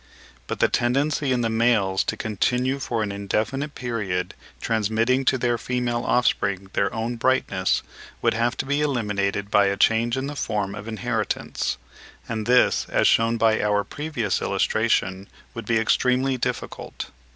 But the tendency in the males to continue for an indefinite period transmitting to their female offspring their own brightness, would have to be eliminated by a change in the form of inheritance; and this, as shewn by our previous illustration, would be extremely difficult.